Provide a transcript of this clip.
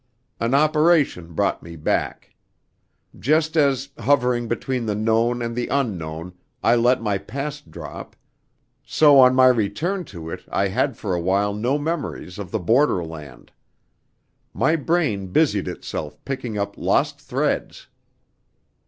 An operation brought me back. Just as, hovering between the known and the unknown, I let my past drop, so on my return to it I had for a while no memories of the borderland. My brain busied itself picking up lost threads.